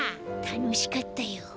たのしかったよ。